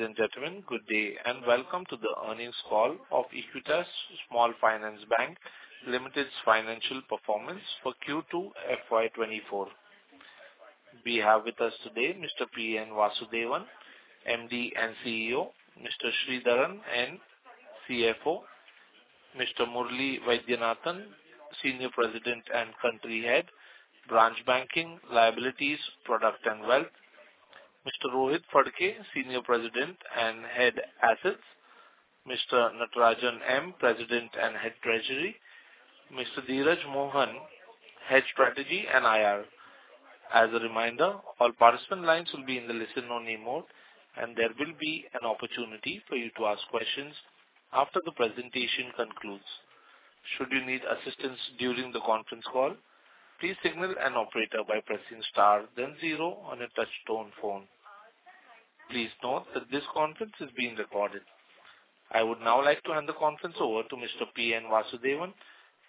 Ladies and gentlemen, good day and welcome to the earnings call of Equitas Small Finance Bank Limited's financial performance for Q2 FY 2024. We have with us today Mr. P. N. Vasudevan, MD and CEO, Mr. Sridharan N., CFO, Mr. Murali Vaidyanathan, Senior President and Country Head, Branch Banking Liabilities, Product and Wealth, Mr. Rohit Phadke, Senior President and Head Assets, Mr. Natarajan M., President and Head Treasury, Mr. Dheeraj Mohan, Head Strategy and IR. As a reminder, all participant lines will be in the listen-only mode, and there will be an opportunity for you to ask questions after the presentation concludes. Should you need assistance during the conference call, please signal an operator by pressing star, then zero on a touch-tone phone. Please note that this conference is being recorded. I would now like to hand the conference over to Mr. P. N. Vasudevan.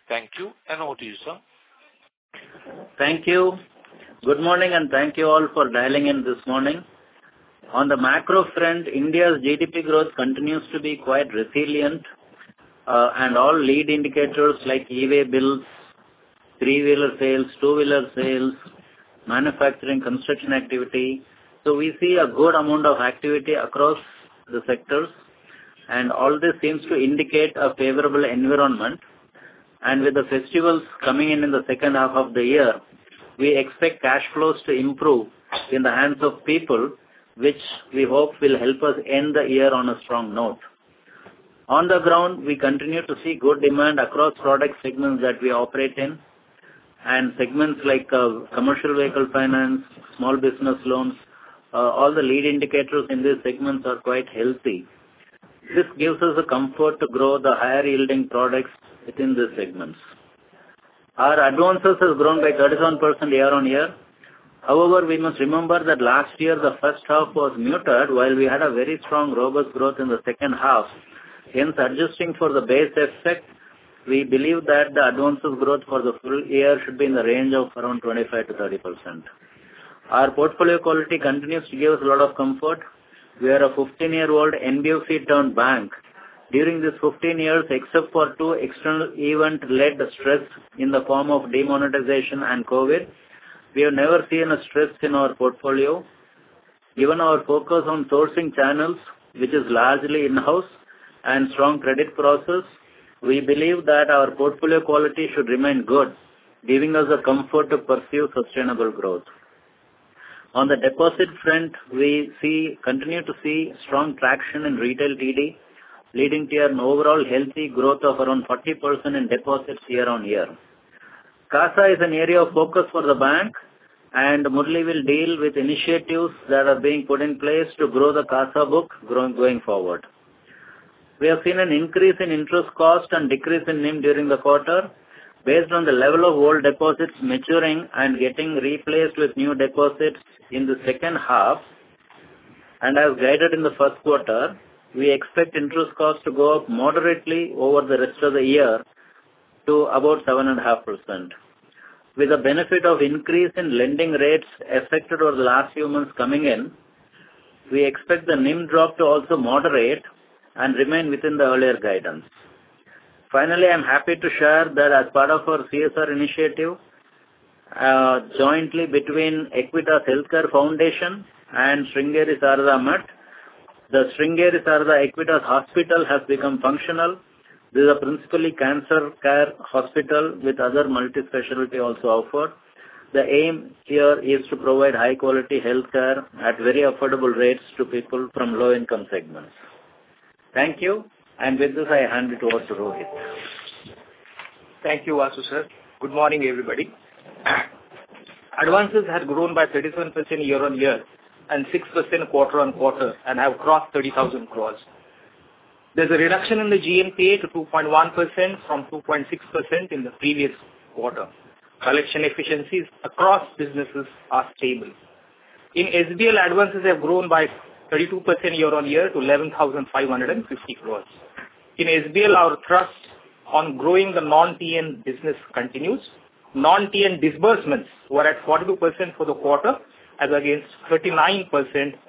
Thank you, and over to you, sir. Thank you. Good morning, and thank you all for dialing in this morning. On the macro front, India's GDP growth continues to be quite resilient, and all lead indicators like e-Way bills, three-wheeler sales, two-wheeler sales, manufacturing, construction activity, so we see a good amount of activity across the sectors, and all this seems to indicate a favorable environment. With the festivals coming in in the second half of the year, we expect cash flows to improve in the hands of people, which we hope will help us end the year on a strong note. On the ground, we continue to see good demand across product segments that we operate in, and segments like commercial vehicle finance, small business loans, all the lead indicators in these segments are quite healthy. This gives us a comfort to grow the higher-yielding products within the segments. Our advances have grown by 31% year-on-year. However, we must remember that last year the first half was muted, while we had a very strong, robust growth in the second half. Hence, adjusting for the base effect, we believe that the advances growth for the full year should be in the range of around 25%-30%. Our portfolio quality continues to give us a lot of comfort. We are a 15-year-old NBFC-turned-bank. During these 15 years, except for two external event-led stresses in the form of demonetization and COVID, we have never seen a stress in our portfolio. Given our focus on sourcing channels, which is largely in-house, and strong credit processes, we believe that our portfolio quality should remain good, giving us a comfort to pursue sustainable growth. On the deposit front, we continue to see strong traction in retail TD, leading to an overall healthy growth of around 40% in deposits year-on-year. CASA is an area of focus for the bank, and Murali will deal with initiatives that are being put in place to grow the CASA book going forward. We have seen an increase in interest costs and a decrease in NIM during the quarter, based on the level of old deposits maturing and getting replaced with new deposits in the second half. As guided in the first quarter, we expect interest costs to go up moderately over the rest of the year to about 7.5%. With the benefit of an increase in lending rates effected over the last few months coming in, we expect the NIM drop to also moderate and remain within the earlier guidance. Finally, I'm happy to share that as part of our CSR initiative, jointly between Equitas Healthcare Foundation and Sringeri Sharada Peetham, the Sringeri Sharada Equitas Hospital has become functional. This is a principally cancer care hospital with other multispecialty also offered. The aim here is to provide high-quality healthcare at very affordable rates to people from low-income segments. Thank you, and with this, I hand it over to Rohit. Thank you, Vasu sir. Good morning, everybody. Advances have grown by 37% year-on-year and 6% quarter-on-quarter, and have crossed 30,000 crore. There's a reduction in the GNPA to 2.1% from 2.6% in the previous quarter. Collection efficiencies across businesses are stable. In SBL, advances have grown by 32% year-on-year to 11,550 crore. In SBL, our trust on growing the non-TN business continues. Non-TN disbursements were at 42% for the quarter as against 39%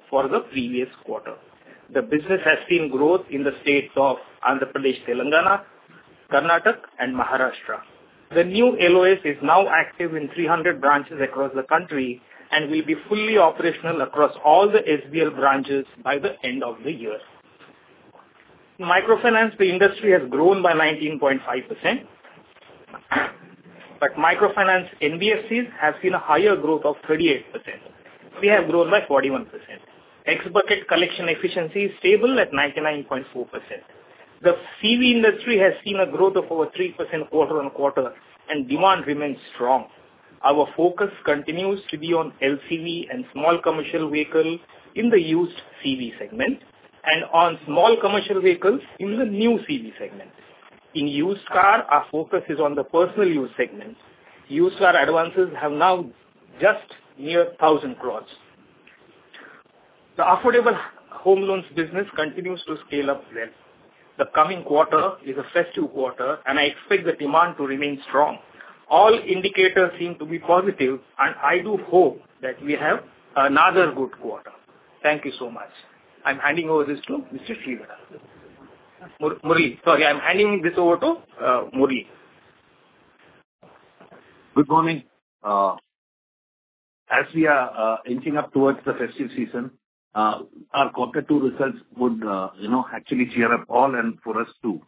for the previous quarter. The business has seen growth in the states of Andhra Pradesh, Telangana, Karnataka, and Maharashtra. The new LOS is now active in 300 branches across the country and will be fully operational across all the SBL branches by the end of the year. In microfinance, the industry has grown by 19.5%, but microfinance NBFCs have seen a higher growth of 38%. We have grown by 41%. Ex-bucket collection efficiency is stable at 99.4%. The CV industry has seen a growth of over 3% quarter-on-quarter, and demand remains strong. Our focus continues to be on LCV and small commercial vehicles in the used CV segment, and on small commercial vehicles in the new CV segment. In used cars, our focus is on the personal use segment. Used car advances have now just near 1,000 crore. The affordable home loans business continues to scale up well. The coming quarter is a festive quarter, and I expect the demand to remain strong. All indicators seem to be positive, and I do hope that we have another good quarter. Thank you so much. I'm handing over this to Mr. Sridharan. Murali, sorry, I'm handing this over to Murali. Good morning. As we are inching up towards the festive season, our quarter two results would actually cheer up all and for us too.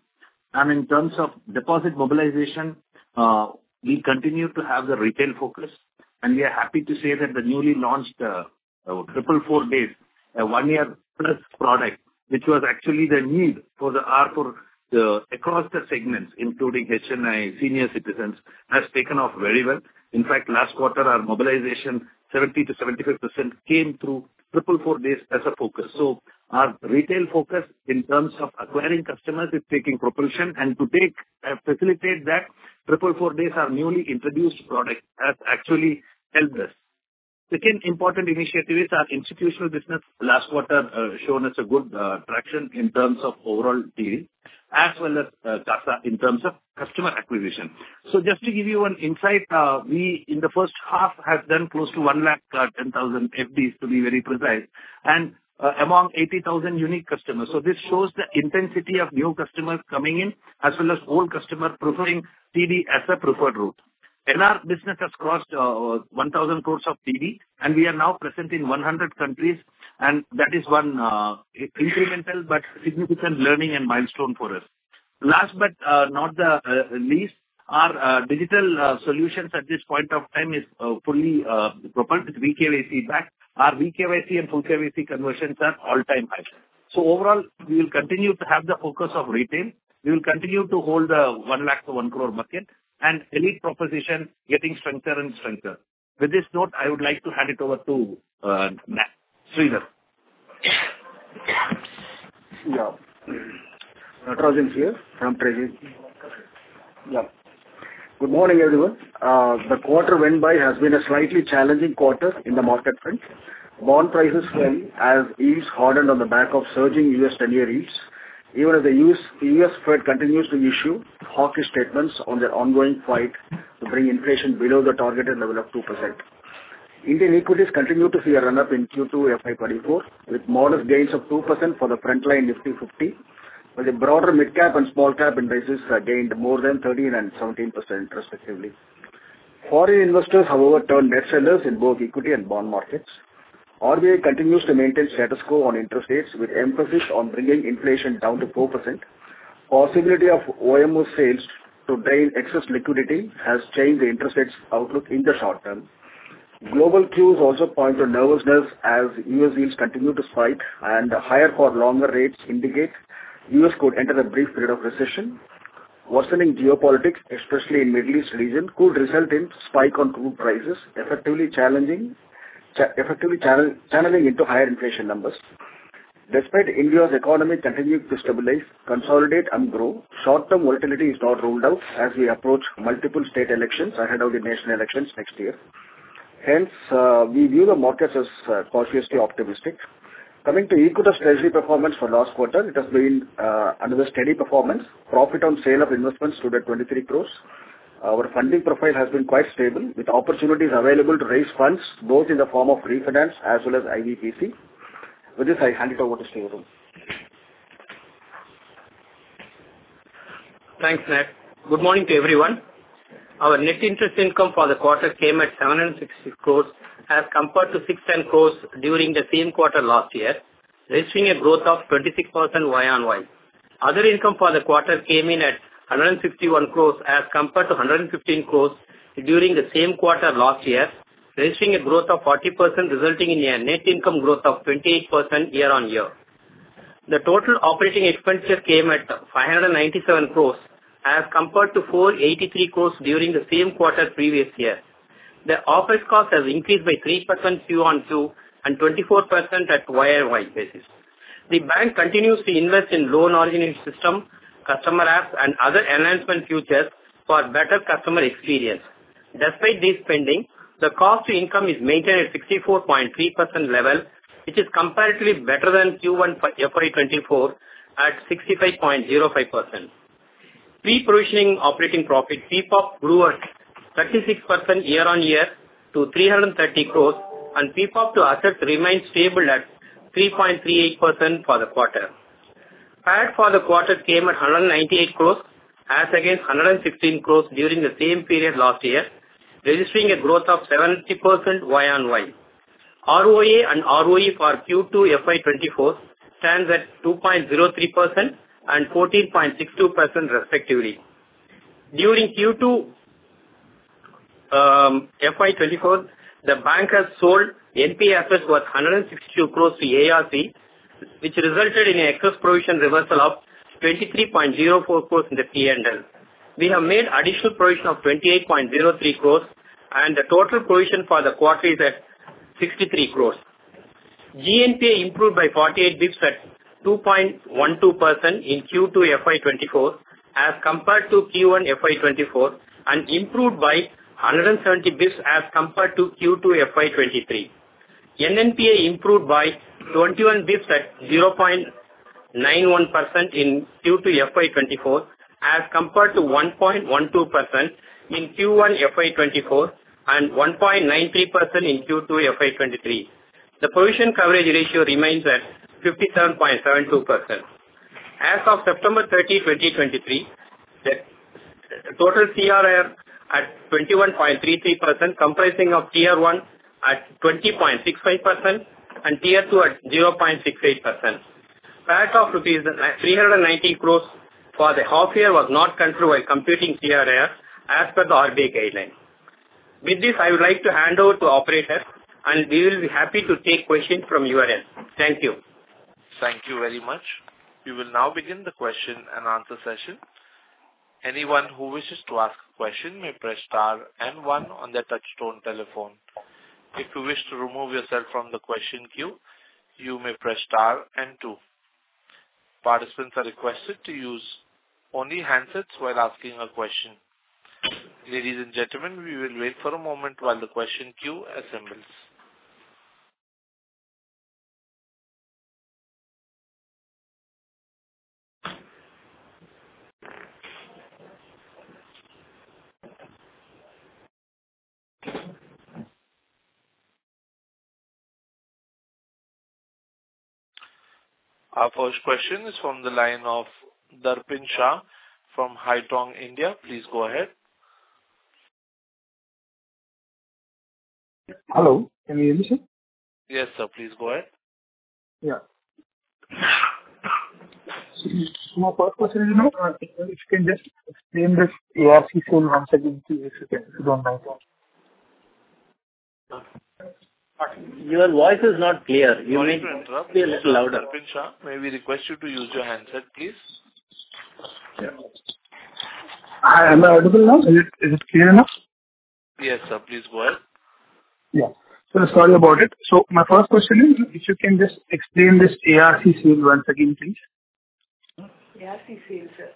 In terms of deposit mobilization, we continue to have the retail focus, and we are happy to say that the newly launched 444 Days, a one-year-plus product, which was actually the need across the segments, including HNI senior citizens, has taken off very well. In fact, last quarter, our mobilization 70%-75% came through 444 Days as a focus. So our retail focus in terms of acquiring customers is taking propulsion, and to facilitate that, 444 Days are a newly introduced product that has actually helped us. Second important initiative is our institutional business. Last quarter has shown us a good traction in terms of overall TD, as well as CASA in terms of customer acquisition. So just to give you an insight, we in the first half have done close to 110,000 FDs, to be very precise, and among 80,000 unique customers. So this shows the intensity of new customers coming in, as well as old customers preferring TD as a preferred route. Our business has crossed 1,000 crore of TD, and we are now present in 100 countries, and that is one incremental but significant learning and milestone for us. Last but not the least, our digital solutions at this point of time are fully propelled with VKYC back. Our VKYC and full KYC conversions are all-time high. So overall, we will continue to have the focus of retail. We will continue to hold the 1-crore bucket and elite proposition getting stronger and stronger. With this note, I would like to hand it over to Sridhar. Yeah. Natarajan here from Treasury. Yeah. Good morning, everyone. The quarter went by has been a slightly challenging quarter in the market front. Bond prices fell as yields hardened on the back of surging U.S. 10-year yields. Even as the U.S. Fed continues to issue hawkish statements on their ongoing fight to bring inflation below the targeted level of 2%, Indian equities continue to see a run-up in Q2 FY 2024 with modest gains of 2% for the front-line Nifty 50, while the broader mid-cap and small-cap indices gained more than 13% and 17%, respectively. Foreign investors, however, turned debt sellers in both equity and bond markets. RBI continues to maintain status quo on interest rates with emphasis on bringing inflation down to 4%. The possibility of OMO sales to drain excess liquidity has changed the interest rates outlook in the short term. Global cues also point to nervousness as U.S. yields continue to spike, and higher-for-longer rates indicate the U.S. could enter a brief period of recession. Worsening geopolitics, especially in the Middle East region, could result in a spike in crude prices, effectively channeling into higher inflation numbers. Despite India's economy continuing to stabilize, consolidate, and grow, short-term volatility is not ruled out as we approach multiple state elections ahead of the national elections next year. Hence, we view the markets as cautiously optimistic. Coming to Equitas Treasury performance for last quarter, it has been under a steady performance. Profit on sale of investments stood at 23 crore. Our funding profile has been quite stable, with opportunities available to raise funds both in the form of refinance as well as IBPC. With this, I hand it over to Sridharan. Thanks, Nat. Good morning to everyone. Our net interest income for the quarter came at 760 crores as compared to 610 crores during the same quarter last year, registering a growth of 26% year-on-year. Other income for the quarter came in at 161 crores as compared to 115 crores during the same quarter last year, registering a growth of 40%, resulting in a net income growth of 28% year-on-year. The total operating expenditure came at 597 crores as compared to 483 crores during the same quarter previous year. The office costs have increased by 3% year-on-year and 24% at year-on-year basis. The bank continues to invest in loan origination systems, customer apps, and other enhancement features for a better customer experience. Despite this spending, the cost to income is maintained at 64.3% level, which is comparatively better than Q1 FY 2024 at 65.05%. Pre-provision operating profit PPOP grew at 36% year-on-year to 330 crores, and PPOP to assets remained stable at 3.38% for the quarter. Payout for the quarter came at 198 crores as against 116 crores during the same period last year, registering a growth of 70% year-on-year. ROA and ROE for Q2 FY 2024 stand at 2.03% and 14.62%, respectively. During Q2 FY 2024, the bank has sold NP assets worth 162 crores to ARC, which resulted in an excess provision reversal of 23.04 crores in the P&L. We have made additional provision of 28.03 crores, and the total provision for the quarter is at 63 crores. GNPA improved by 48 basis points at 2.12% in Q2 FY 2024 as compared to Q1 FY 2024 and improved by 170 basis points as compared to Q2 FY 2023. NNPA improved by 21 basis points at 0.91% in Q2 FY 2024 as compared to 1.12% in Q1 FY 2024 and 1.93% in Q2 FY 2023. The provision coverage ratio remains at 57.72%. As of September 30, 2023, the total CRAR is at 21.33%, comprising of Tier 1 at 20.65% and Tier 2 at 0.68%. Payout of rupees 390 crore for the half-year was not considered while computing CRAR as per the RBI guidelines. With this, I would like to hand over to operators, and we will be happy to take questions from your end. Thank you. Thank you very much. We will now begin the question and answer session. Anyone who wishes to ask a question may press star and one on their touch-tone telephone. If you wish to remove yourself from the question queue, you may press star and two. Participants are requested to use only handsets while asking a question. Ladies and gentlemen, we will wait for a moment while the question queue assembles. Our first question is from the line of Darpin Shah from Haitong India. Please go ahead. Hello. Can you hear me? Yes, sir. Please go ahead. Yeah. My first question, if you can just explain this ARC sale handout if you don't mind. Your voice is not clear. You may be a little louder. Darpin Shah, may we request you to use your handset, please? Yeah. Am I audible now? Is it clear enough? Yes, sir. Please go ahead. Yeah. So sorry about it. So my first question is, if you can just explain this ARC sale once again, please. ARC sale, sir.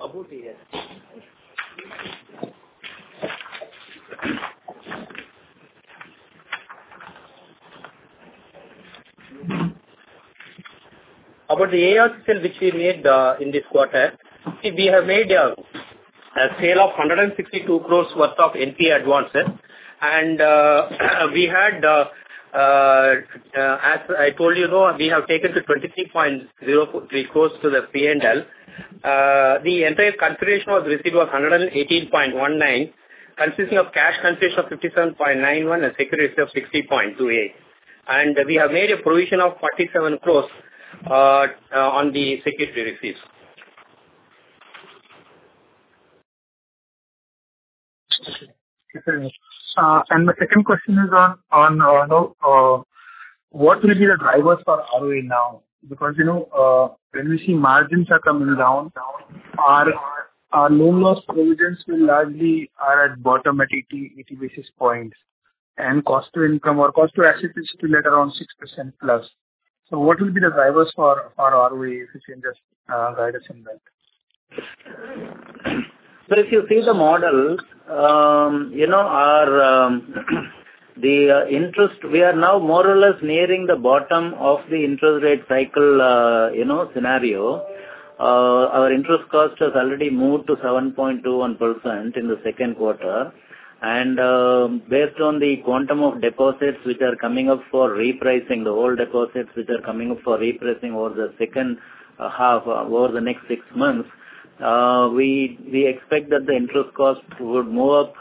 About the ARC. About the ARC sale which we made in this quarter, we have made a sale of 162 crore worth of NP advances, and we had, as I told you, we have taken 23.03 crore to the P&L. The entire consideration we received was 118.19 crore, consisting of cash consideration of 57.91 crore and security receipt of 60.28 crore. And we have made a provision of 47 crore on the security receipts. Okay. And my second question is on what will be the drivers for ROA now? Because when we see margins are coming down, our loan loss provisions largely are at bottom at 80 basis points, and cost to income or cost to assets is still at around 6% plus. So what will be the drivers for ROA if you can just guide us in that? So if you see the model, the interest, we are now more or less nearing the bottom of the interest rate cycle scenario. Our interest cost has already moved to 7.21% in the second quarter. And based on the quantum of deposits which are coming up for repricing, the old deposits which are coming up for repricing over the second half, over the next six months, we expect that the interest cost would move up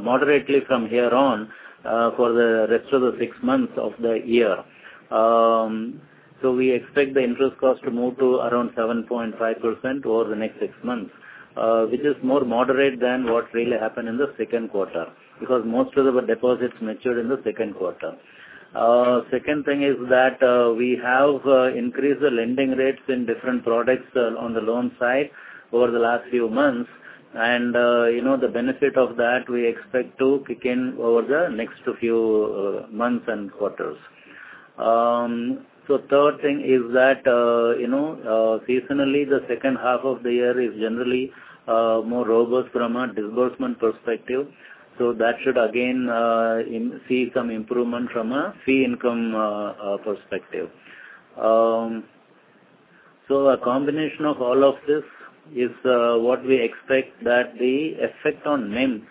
moderately from here on for the rest of the six months of the year. So we expect the interest cost to move to around 7.5% over the next six months, which is more moderate than what really happened in the second quarter because most of the deposits matured in the second quarter. Second thing is that we have increased the lending rates in different products on the loan side over the last few months, and the benefit of that we expect to kick in over the next few months and quarters. So third thing is that seasonally, the second half of the year is generally more robust from a disbursement perspective. So that should, again, see some improvement from a fee income perspective. So a combination of all of this is what we expect that the effect on NIM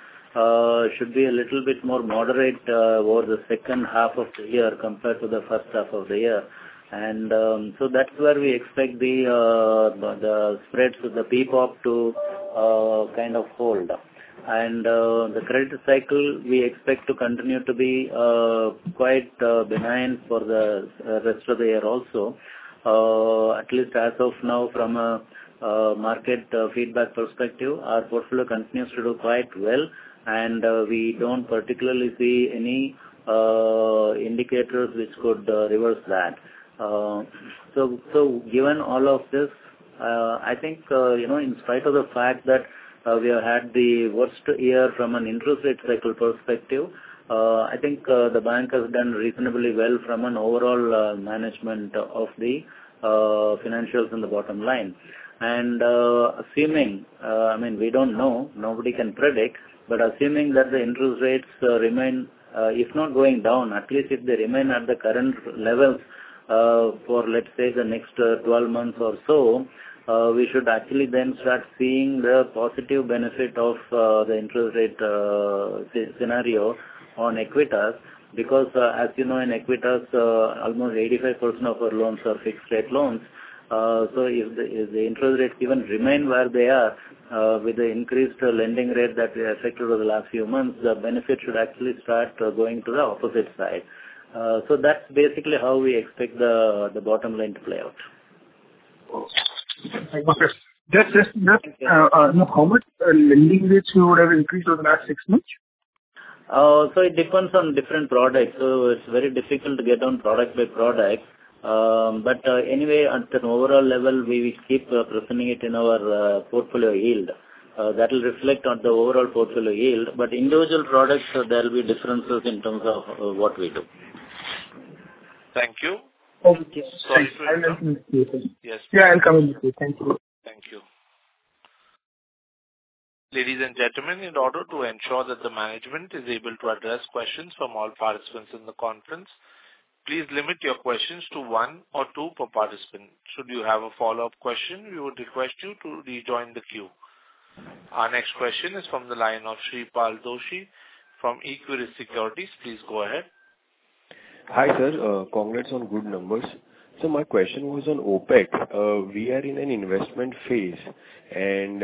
should be a little bit more moderate over the second half of the year compared to the first half of the year. And so that's where we expect the spreads of the PPOP to kind of hold. And the credit cycle, we expect to continue to be quite benign for the rest of the year also, at least as of now from a market feedback perspective. Our portfolio continues to do quite well, and we don't particularly see any indicators which could reverse that. So given all of this, I think in spite of the fact that we have had the worst year from an interest rate cycle perspective, I think the bank has done reasonably well from an overall management of the financials in the bottom line. And assuming—I mean, we don't know. Nobody can predict. Assuming that the interest rates remain, if not going down, at least if they remain at the current levels for, let's say, the next 12 months or so, we should actually then start seeing the positive benefit of the interest rate scenario on Equitas because, as you know, in Equitas, almost 85% of our loans are fixed-rate loans. So if the interest rates even remain where they are with the increased lending rate that we affected over the last few months, the benefit should actually start going to the opposite side. So that's basically how we expect the bottom line to play out. Thank you, sir. Next, how are lending rates? Who would have increased over the last 6 months? It depends on different products. It's very difficult to get on product by product. Anyway, at an overall level, we will keep presenting it in our portfolio yield. That will reflect on the overall portfolio yield. Individual products, there will be differences in terms of what we do. Thank you. Thank you. Sorry to interrupt. Yeah. I'll come in with you. Thank you. Thank you. Ladies and gentlemen, in order to ensure that the management is able to address questions from all participants in the conference, please limit your questions to one or two per participant. Should you have a follow-up question, we would request you to rejoin the queue. Our next question is from the line of Sripal Doshi from Equirus Securities. Please go ahead. Hi, sir. Congrats on good numbers. So my question was on OpEx. We are in an investment phase, and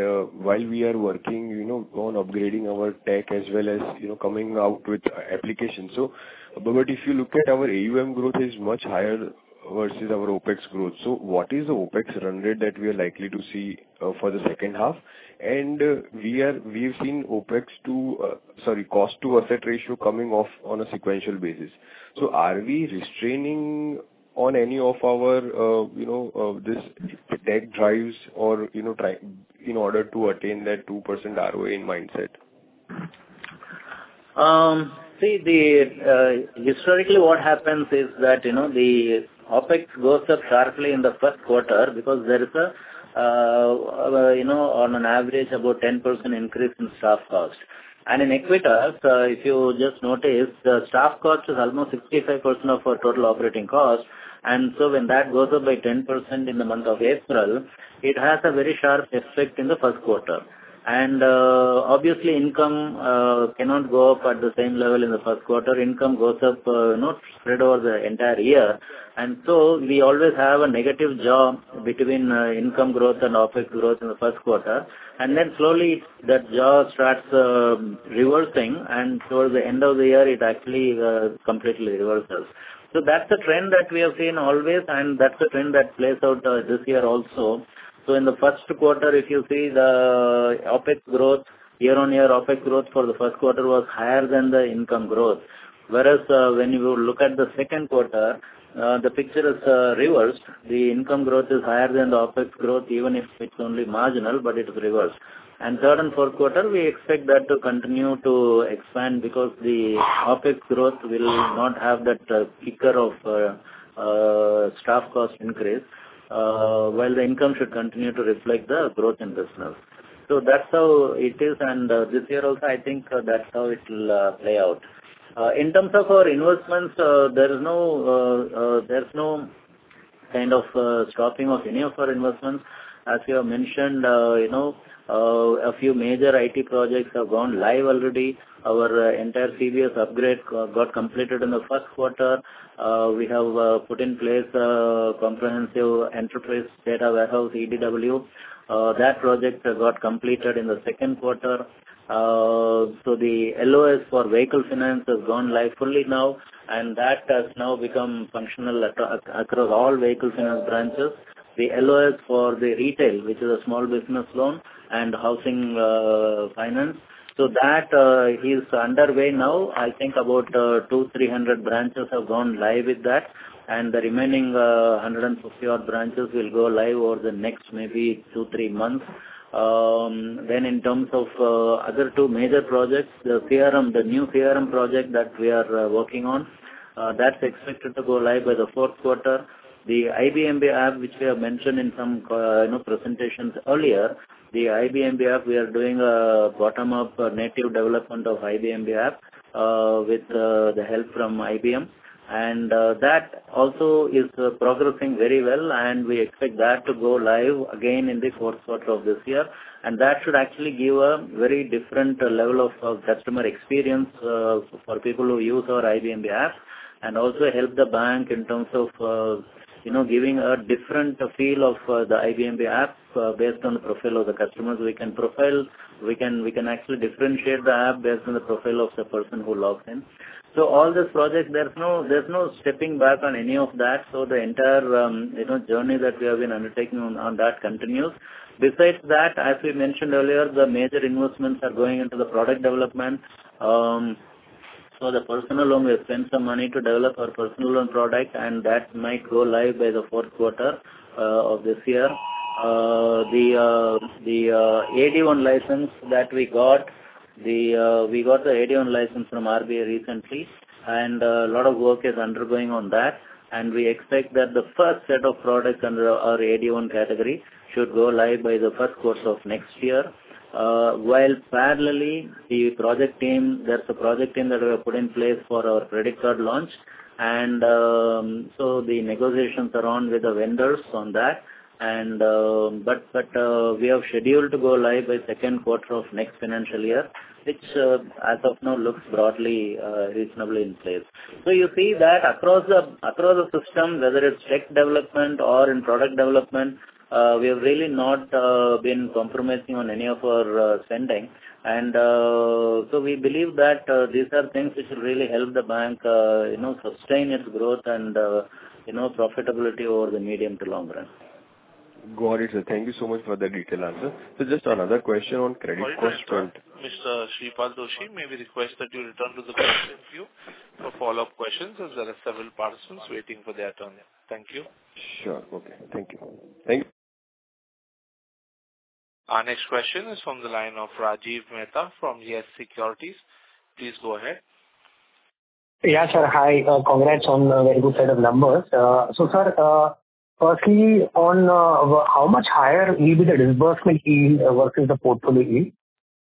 while we are working on upgrading our tech as well as coming out with applications. But if you look at our AUM growth, it is much higher versus our OpEx growth. So what is the OpEx run rate that we are likely to see for the second half? And we have seen OpEx to—sorry—cost to asset ratio coming off on a sequential basis. So are we restraining on any of our tech drives in order to attain that 2% ROA mindset? See, historically, what happens is that the OpEx goes up sharply in the first quarter because there is, on an average, about a 10% increase in staff costs. In Equitas, if you just notice, the staff cost is almost 65% of our total operating costs. So when that goes up by 10% in the month of April, it has a very sharp effect in the first quarter. Obviously, income cannot go up at the same level in the first quarter. Income goes up spread over the entire year. So we always have a negative jaw between income growth and OpEx growth in the first quarter. Then slowly, that jaw starts reversing, and towards the end of the year, it actually completely reverses. So that's a trend that we have seen always, and that's a trend that plays out this year also. So in the first quarter, if you see the OpEx growth, year-on-year, OpEx growth for the first quarter was higher than the income growth. Whereas when you look at the second quarter, the picture is reversed. The income growth is higher than the OpEx growth, even if it's only marginal, but it's reversed. Third and fourth quarter, we expect that to continue to expand because the OpEx growth will not have that kicker of staff cost increase, while the income should continue to reflect the growth in business. So that's how it is. This year also, I think that's how it will play out. In terms of our investments, there's no kind of stopping of any of our investments. As you have mentioned, a few major IT projects have gone live already. Our entire CBS upgrade got completed in the first quarter. We have put in place a comprehensive enterprise data warehouse, EDW. That project got completed in the second quarter. So the LOS for vehicle finance has gone live fully now, and that has now become functional across all vehicle finance branches. The LOS for the retail, which is a small business loan, and housing finance, so that is underway now. I think about 200, 300 branches have gone live with that, and the remaining 150-odd branches will go live over the next maybe 2, 3 months. Then in terms of other two major projects, the new CRM project that we are working on, that's expected to go live by the fourth quarter. The IBM BI app, which we have mentioned in some presentations earlier, the IBM BI app, we are doing a bottom-up native development of IBM BI app with the help from IBM. That also is progressing very well, and we expect that to go live again in the fourth quarter of this year. That should actually give a very different level of customer experience for people who use our mobile banking app and also help the bank in terms of giving a different feel of the mobile banking app based on the profile of the customers. We can actually differentiate the app based on the profile of the person who logs in. All these projects, there's no stepping back on any of that. The entire journey that we have been undertaking on that continues. Besides that, as we mentioned earlier, the major investments are going into the product development. The Personal Loan, we have spent some money to develop our Personal Loan product, and that might go live by the fourth quarter of this year. The AD-l license that we got, we got the AD-l license from RBI recently, and a lot of work is underway on that. We expect that the first set of products under our AD-l category should go live by the first quarter of next year. While parallelly, there's a project team that we have put in place for our credit card launch. So the negotiations are on with the vendors on that. But we have scheduled to go live by second quarter of next financial year, which as of now looks broadly reasonably in place. You see that across the system, whether it's tech development or in product development, we have really not been compromising on any of our spending. So we believe that these are things which will really help the bank sustain its growth and profitability over the medium to long run. Got it, sir. Thank you so much for the detailed answer. So just another question on credit cost. All right. Mr. Sripal Doshi, may we request that you return to the call interview for follow-up questions as there are several participants waiting for their turn. Thank you. Sure. Okay. Thank you. Thank you. Our next question is from the line of Rajiv Mehta from YES Securities. Please go ahead. Yes, sir. Hi. Congrats on a very good set of numbers. So, sir, firstly, on how much higher will be the disbursement yield versus the portfolio yield?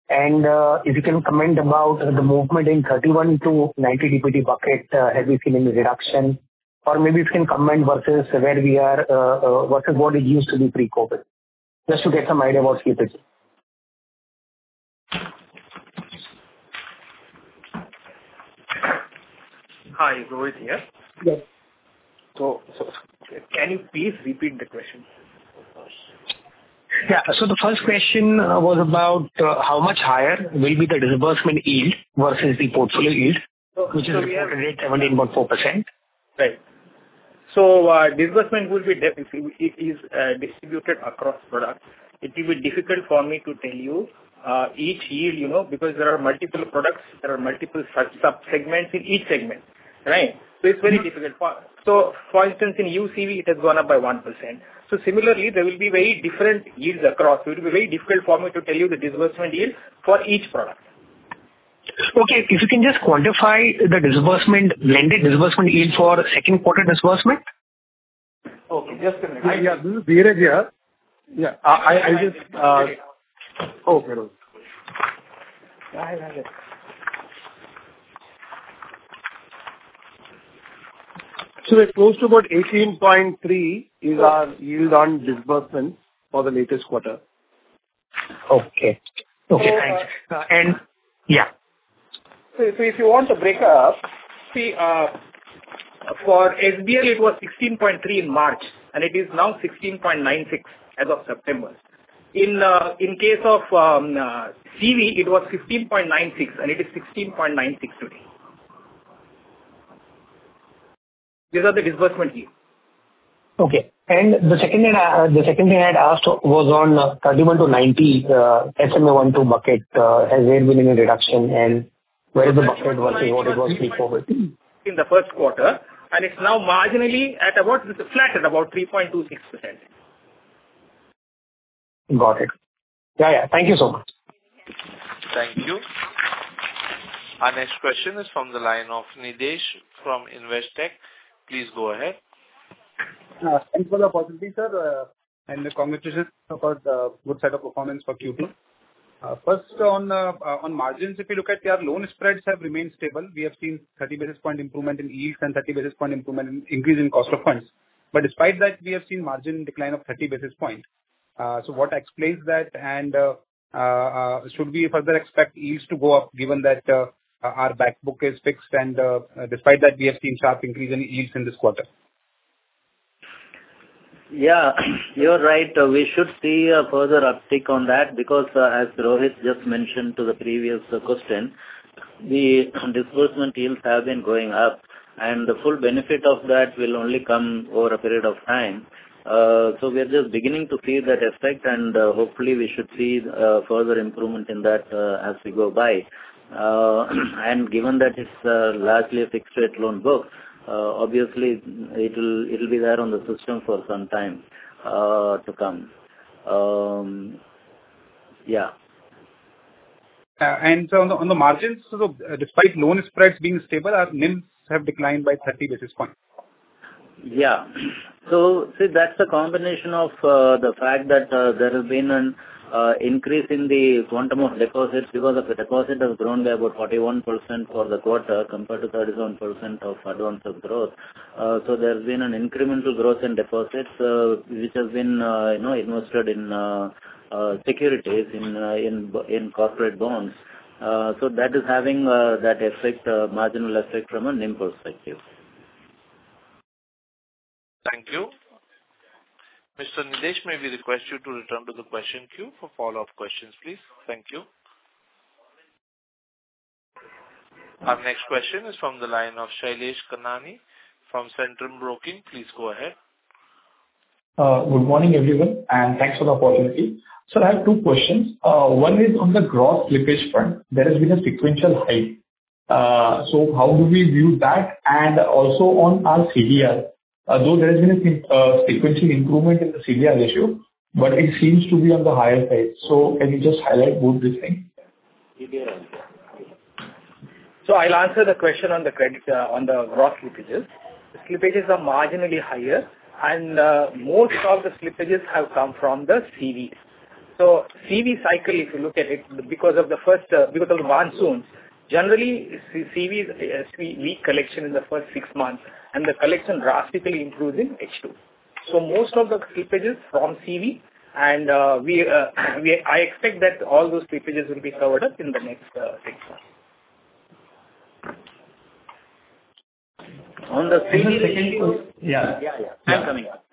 And if you can comment about the movement in 31-90 DPD bucket, have you seen any reduction? Or maybe if you can comment versus where we are versus what it used to be pre-COVID, just to get some idea about DPD. Hi. Is Rohit here? Yes. Can you please repeat the question? Yeah. So the first question was about how much higher will be the disbursement yield versus the portfolio yield, which is reported at 17.4%? Right. So disbursement will be if it is distributed across products, it will be difficult for me to tell you each yield because there are multiple products. There are multiple subsegments in each segment, right? So it's very difficult. So for instance, in UCV, it has gone up by 1%. So similarly, there will be very different yields across. It will be very difficult for me to tell you the disbursement yield for each product. Okay. If you can just quantify the blended disbursement yield for second-quarter disbursement? Okay. Just a minute. Yeah. This is Dheeraj here. Yeah. I just. Okay. Oh, hello. So we're close to about 18.3 is our yield on disbursement for the latest quarter. Okay. Okay. Thanks. And yeah. So if you want to break up, see, for SBL, it was 16.3 in March, and it is now 16.96 as of September. In case of CV, it was 15.96, and it is 16.96 today. These are the disbursement yield. Okay. And the second thing I had asked was on 31-90 SMA12 bucket, has there been any reduction? And where is the bucket versus what it was pre-COVID? In the first quarter. It's now marginally at about, it's flat at about 3.26%. Got it. Yeah, yeah. Thank you so much. Thank you. Our next question is from the line of Nitesh from Investec. Please go ahead. Thanks for the opportunity, sir, and the congratulations for the good set of performance for Q2. First, on margins, if you look at their loan spreads, have remained stable. We have seen 30 basis point improvement in yields and 30 basis point increase in cost of funds. But despite that, we have seen margin decline of 30 basis point. So what explains that? And should we further expect yields to go up given that our backbook is fixed? And despite that, we have seen sharp increase in yields in this quarter. Yeah. You're right. We should see a further uptick on that because, as Rohit just mentioned to the previous question, the disbursement yields have been going up, and the full benefit of that will only come over a period of time. So we are just beginning to see that effect, and hopefully, we should see further improvement in that as we go by. And given that it's largely a fixed-rate loan book, obviously, it'll be there on the system for some time to come. Yeah. On the margins, despite loan spreads being stable, our NIMS have declined by 30 basis points. Yeah. So see, that's a combination of the fact that there has been an increase in the quantum of deposits because the deposit has grown by about 41% for the quarter compared to 31% of advance of growth. So there has been an incremental growth in deposits, which has been invested in securities, in corporate bonds. So that is having that marginal effect from a NIM perspective. Thank you. Mr. Nitesh, may we request you to return to the question queue for follow-up questions, please? Thank you. Our next question is from the line of Shailesh Kanani from Centrum Broking. Please go ahead. Good morning, everyone, and thanks for the opportunity. Sir, I have two questions. One is on the gross slippages front. There has been a sequential hike. So how do we view that? And also on our CDR, though there has been a sequential improvement in the CDR ratio, but it seems to be on the higher side. So can you just highlight both these things? So I'll answer the question on the gross slippages. The slippages are marginally higher, and most of the slippages have come from the CVs. So CV cycle, if you look at it, because of the monsoons, generally, CV is a weak collection in the first six months, and the collection drastically improves in H2. So most of the slippages are from CV, and I expect that all those slippages will be covered up in the next six months. On the CD ratio. Yeah. Yeah, yeah. I'm coming up.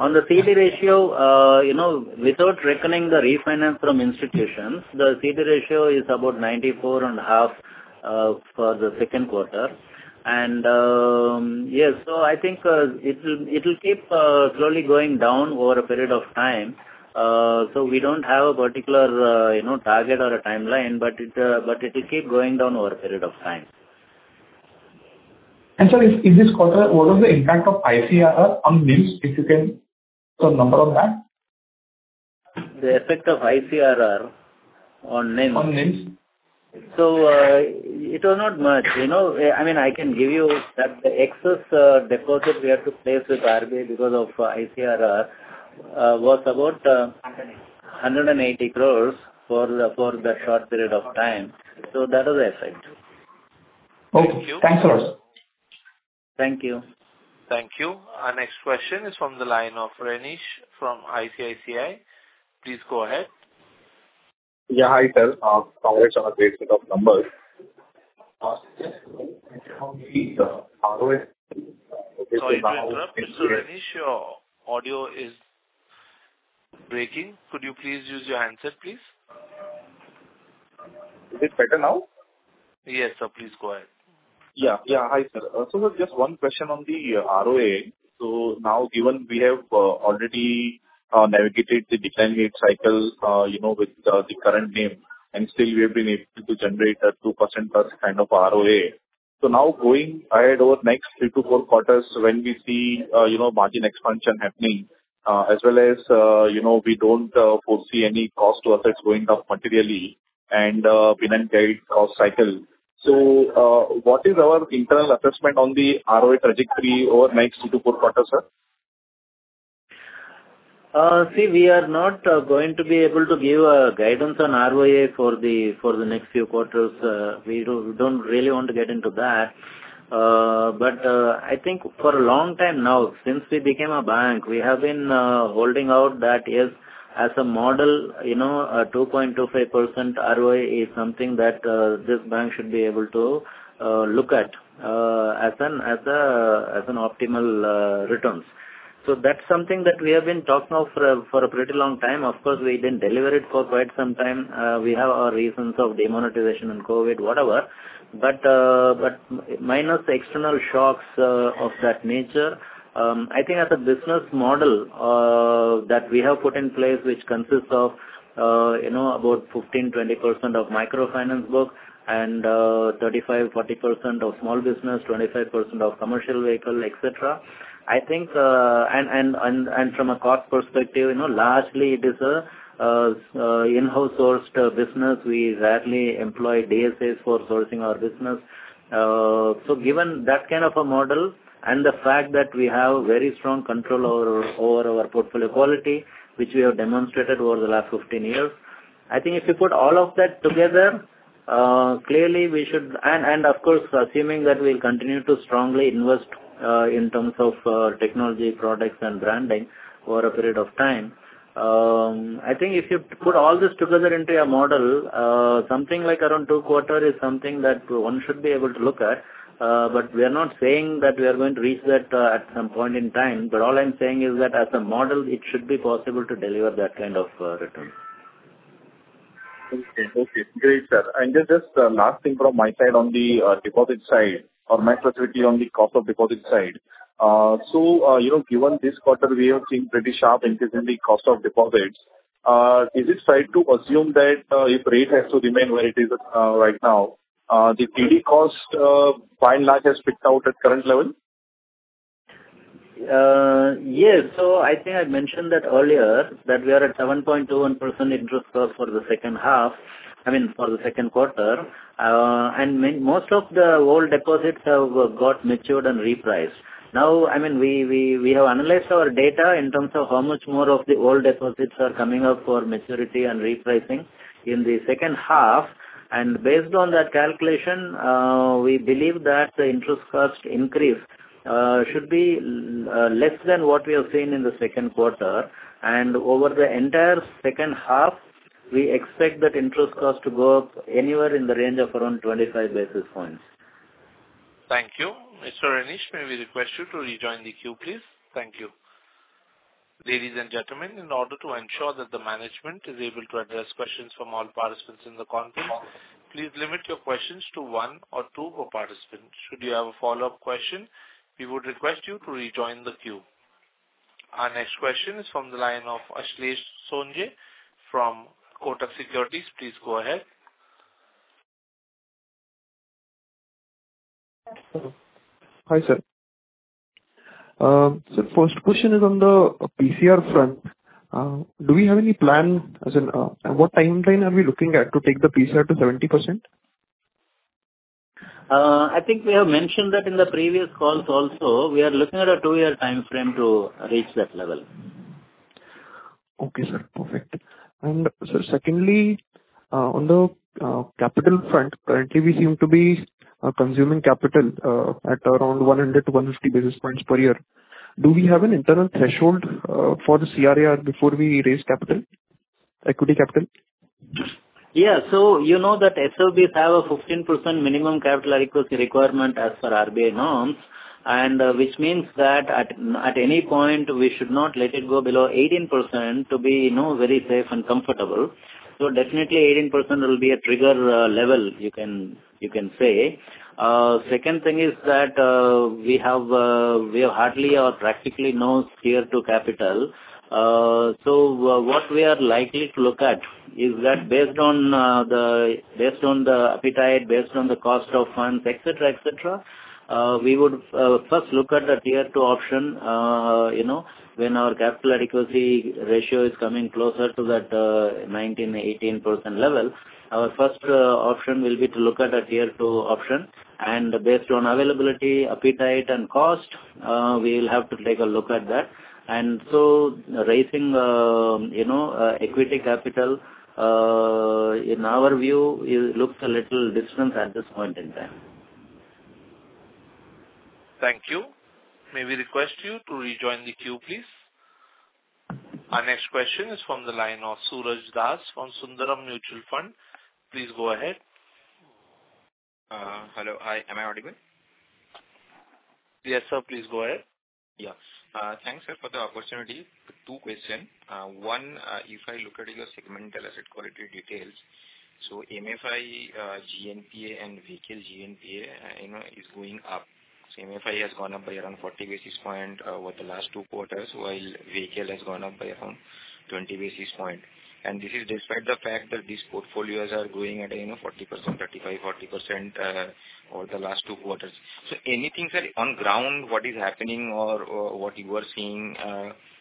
On the CD ratio, without reckoning the refinance from institutions, the CD ratio is about 94.5 for the second quarter. Yes, so I think it'll keep slowly going down over a period of time. We don't have a particular target or a timeline, but it'll keep going down over a period of time. Sir, in this quarter, what was the impact of ICRR on NIMS, if you can sum up on that? The effect of ICRR on NIMS? On NIMS? It was not much. I mean, I can give you that the excess deposit we had to place with RBI because of ICRR was about. 180. 180 crore for that short period of time. So that was the effect. Okay. Thanks a lot. Thank you. Thank you. Our next question is from the line of Renish from ICICI. Please go ahead. Yeah. Hi, sir. Congrats on a great set of numbers. Sorry to interrupt, Mr. Renish, your audio is breaking. Could you please use your handset, please? Is it better now? Yes, sir. Please go ahead. Yeah. Yeah. Hi, sir. So just one question on the ROA. So now, given we have already navigated the decline rate cycle with the current NIMS, and still, we have been able to generate a 2%+ kind of ROA. So now, going ahead over the next third-fourth quarters, when we see margin expansion happening as well as we don't foresee any cost to assets going up materially and benign-guided cost cycle, so what is our internal assessment on the ROA trajectory over the next third-fourth quarters, sir? See, we are not going to be able to give guidance on ROA for the next few quarters. We don't really want to get into that. But I think for a long time now, since we became a bank, we have been holding out that, yes, as a model, a 2.25% ROA is something that this bank should be able to look at as an optimal return. So that's something that we have been talking about for a pretty long time. Of course, we didn't deliver it for quite some time. We have our reasons of demonetization and COVID, whatever, but minus external shocks of that nature, I think as a business model that we have put in place, which consists of about 15%-20% of microfinance book and 35%-40% of small business, 25% of commercial vehicle, etc., I think and from a cost perspective, largely, it is an in-house sourced business. We rarely employ DSAs for sourcing our business. So given that kind of a model and the fact that we have very strong control over our portfolio quality, which we have demonstrated over the last 15 years, I think if you put all of that together, clearly, we should and of course, assuming that we'll continue to strongly invest in terms of technology, products, and branding over a period of time, I think if you put all this together into your model, something like around second quarters is something that one should be able to look at. But we are not saying that we are going to reach that at some point in time. But all I'm saying is that as a model, it should be possible to deliver that kind of return. Okay. Okay. Great, sir. And just last thing from my side on the deposit side or my perspective on the cost of deposit side. So given this quarter, we have seen pretty sharp increase in the cost of deposits, is it right to assume that if rate has to remain where it is right now, the TD cost by and large has peaked out at current level? Yes. So I think I mentioned that earlier that we are at 7.21% interest cost for the second half, I mean, for the second quarter. Most of the old deposits have got matured and repriced. Now, I mean, we have analyzed our data in terms of how much more of the old deposits are coming up for maturity and repricing in the second half. Based on that calculation, we believe that the interest cost increase should be less than what we have seen in the second quarter. Over the entire second half, we expect that interest cost to go up anywhere in the range of around 25 basis points. Thank you. Mr. Renish, may we request you to rejoin the queue, please? Thank you. Ladies and gentlemen, in order to ensure that the management is able to address questions from all participants in the conference, please limit your questions to one or two per participant. Should you have a follow-up question, we would request you to rejoin the queue. Our next question is from the line of Ashlesh Sonje from Kotak Securities. Please go ahead. Hi, sir. The first question is on the PCR front. Do we have any plan as in what timeline are we looking at to take the PCR to 70%? I think we have mentioned that in the previous calls also, we are looking at a 2-year timeframe to reach that level. Okay, sir. Perfect. And sir, secondly, on the capital front, currently, we seem to be consuming capital at around 100-150 basis points per year. Do we have an internal threshold for the CRR before we raise equity capital? Yeah. So you know that SFBs have a 15% minimum capital equity requirement as per RBI norms, which means that at any point, we should not let it go below 18% to be very safe and comfortable. So definitely, 18% will be a trigger level, you can say. Second thing is that we have hardly or practically no Tier 2 capital. So what we are likely to look at is that based on the appetite, based on the cost of funds, etc., etc., we would first look at a Tier 2 option. When our capital adequacy ratio is coming closer to that 18-19% level, our first option will be to look at a Tier 2 option. And based on availability, appetite, and cost, we'll have to take a look at that. And so raising equity capital, in our view, looks a little distant at this point in time. Thank you. May we request you to rejoin the queue, please? Our next question is from the line of Suraj Das from Sundaram Mutual Fund. Please go ahead. Hello. Am I audible? Yes, sir. Please go ahead. Yes. Thanks, sir, for the opportunity. Two questions. One, if I look at your segmental asset quality details, so MFI GNPA and vehicle GNPA is going up. So MFI has gone up by around 40 basis point over the last two quarters, while vehicle has gone up by around 20 basis point. And this is despite the fact that these portfolios are growing at a 40%, 35%-40% over the last two quarters. So anything, sir, on ground, what is happening or what you are seeing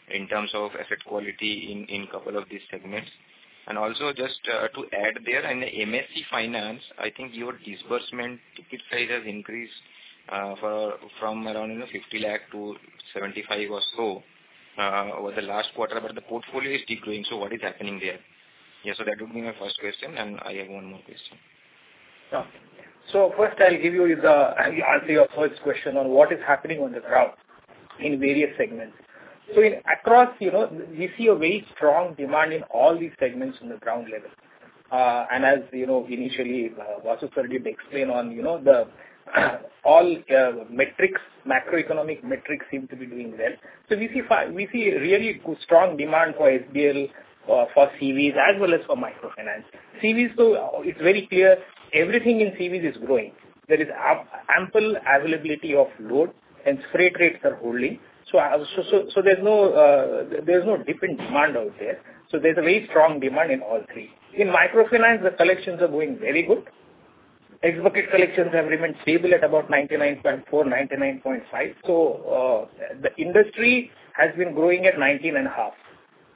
in terms of asset quality in a couple of these segments? And also just to add there, in the MSME Finance, I think your disbursement ticket size has increased from around 50 lakh to 75 lakh or so over the last quarter, but the portfolio is decreasing. So what is happening there? Yeah. That would be my first question, and I have one more question. Yeah. So first, I'll answer your first question on what is happening on the ground in various segments. So across, we see a very strong demand in all these segments on the ground level. And as initially, Vasu, Sridhar explained on all metrics, macroeconomic metrics seem to be doing well. So we see really strong demand for SBL, for CVs, as well as for microfinance. CVs, though, it's very clear everything in CVs is growing. There is ample availability of loans, and freight rates are holding. So there's no deferment demand out there. So there's a very strong demand in all three. In microfinance, the collections are going very good. Expected collections have remained stable at about 99.4%, 99.5%. So the industry has been growing at 19.5%,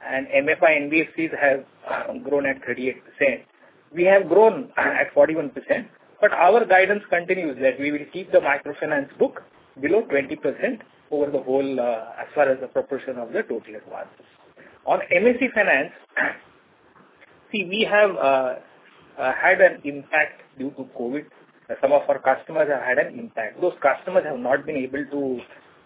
and MFI NBFCs have grown at 38%. We have grown at 41%, but our guidance continues that we will keep the microfinance book below 20% over the whole as far as the proportion of the total advances. On MSE Finance, see, we have had an impact due to COVID. Some of our customers have had an impact. Those customers have not been able to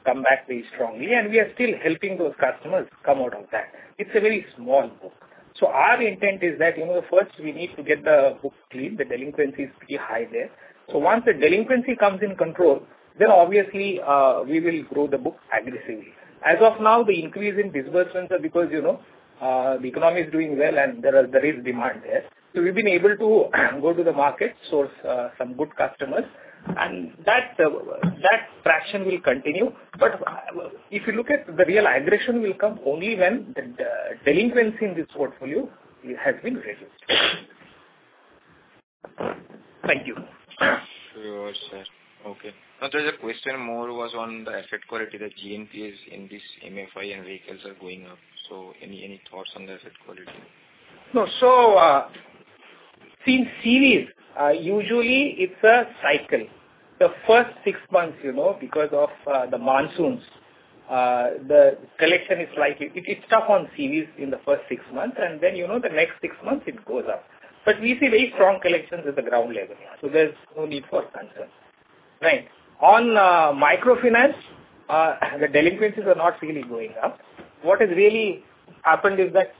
come back very strongly, and we are still helping those customers come out of that. It's a very small book. So our intent is that first, we need to get the book clean. The delinquency is pretty high there. So once the delinquency comes in control, then obviously, we will grow the book aggressively. As of now, the increase in disbursements is because the economy is doing well, and there is demand there. So we've been able to go to the market, source some good customers, and that fraction will continue. But if you look at the real aggression, it will come only when the delinquency in this portfolio has been reduced. Thank you. Sure, sir. Okay. And sir, your question more was on the asset quality. The GNPAs in this MFI and vehicles are going up. So any thoughts on the asset quality? No. So, see, CVs, usually, it's a cycle. The first six months, because of the monsoons, the collection is slightly, it's tough on CVs in the first six months. And then the next six months, it goes up. But we see very strong collections at the ground level here. So there's no need for concern. Right. On microfinance, the delinquencies are not really going up. What has really happened is that.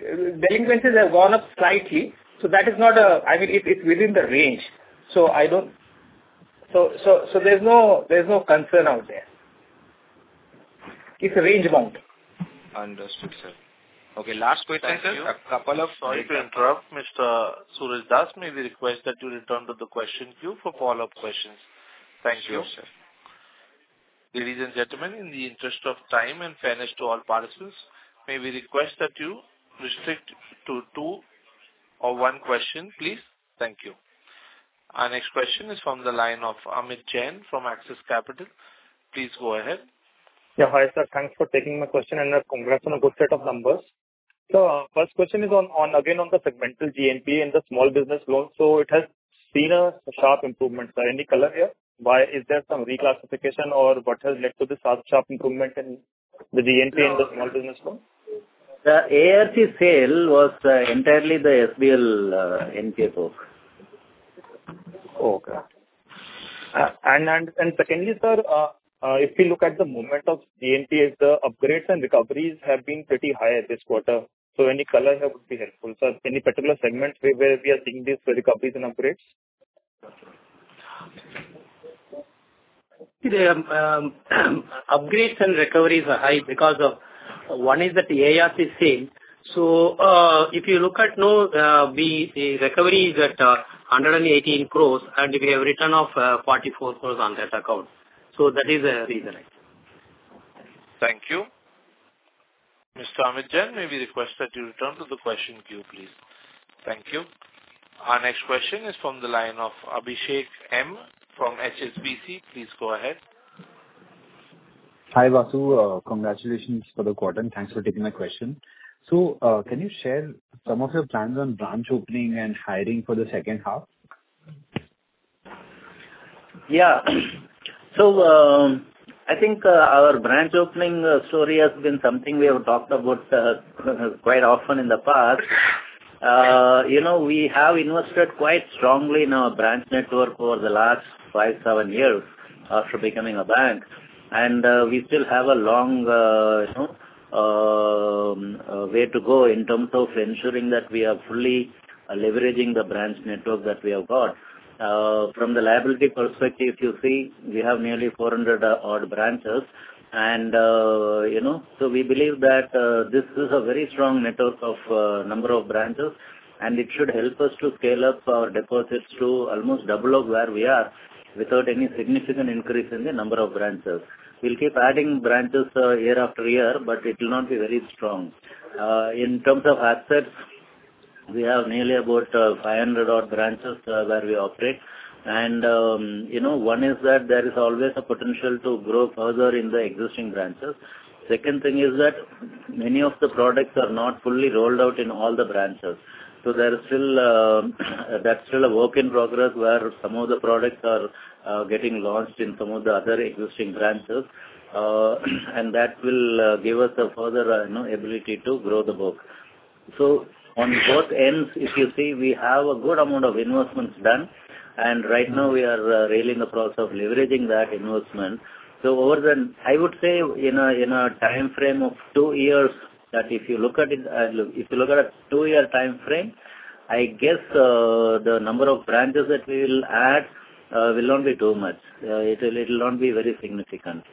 Has gone up since the end? Delinquencies have gone up slightly. So that is not a, I mean, it's within the range. So I don't, so there's no concern out there. It's a range amount. Understood, sir. Okay. Last question, sir. A couple of. Sorry to interrupt, Mr. Suraj Das. May we request that you return to the question queue for follow-up questions? Thank you, sir. Ladies and gentlemen, in the interest of time and fairness to all participants, may we request that you restrict to two or one question, please? Thank you. Our next question is from the line of Amit Jain from Axis Capital. Please go ahead. Yeah. Hi, sir. Thanks for taking my question, and congrats on a good set of numbers. So first question is again on the segmental GNPA and the small business loan. So it has seen a sharp improvement, sir. Any color here? Is there some reclassification, or what has led to this sharp improvement in the GNPA and the small business loan? The ARC sale was entirely the SBL NPFO. Okay. And secondly, sir, if we look at the movement in GNPA, the upgrades and recoveries have been pretty high this quarter. So any color here would be helpful, sir? Any particular segments where we are seeing these recoveries and upgrades? See, the upgrades and recoveries are high because one is that the ARC sale. So if you look at the recovery, it's at 118 crore, and we have returned 44 crore on that account. So that is a reason, I think. Thank you. Mr. Amit Jain, may we request that you return to the question queue, please? Thank you. Our next question is from the line of Abhishek M. from HSBC. Please go ahead. Hi, Vasu. Congratulations for the quarter, and thanks for taking my question. Can you share some of your plans on branch opening and hiring for the second half? Yeah. So I think our branch opening story has been something we have talked about quite often in the past. We have invested quite strongly in our branch network over the last 5-7 years after becoming a bank. We still have a long way to go in terms of ensuring that we are fully leveraging the branch network that we have got. From the liability perspective, you see, we have nearly 400-odd branches. So we believe that this is a very strong network of number of branches, and it should help us to scale up our deposits to almost double of where we are without any significant increase in the number of branches. We'll keep adding branches year after year, but it will not be very strong. In terms of assets, we have nearly about 500-odd branches where we operate. One is that there is always a potential to grow further in the existing branches. Second thing is that many of the products are not fully rolled out in all the branches. So there is still; that's still a work in progress where some of the products are getting launched in some of the other existing branches. And that will give us a further ability to grow the book. So on both ends, if you see, we have a good amount of investments done. And right now, we are really in the process of leveraging that investment. So over the, I would say in a timeframe of two years, that if you look at a two-year timeframe, I guess the number of branches that we will add will not be too much. It will not be very significant.